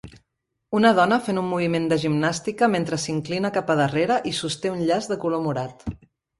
Una dona fent un moviment de gimnàstica mentre s'inclina cap a darrere i sosté un llaç de color morat.